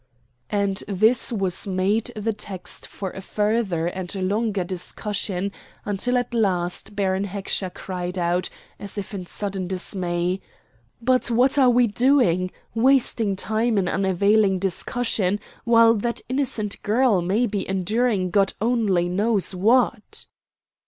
And this was made the text for a further and longer discussion, until at last Baron Heckscher cried out, as if in sudden dismay: "But what are we doing? Wasting time in unavailing discussion, while that innocent girl may be enduring God only knows what."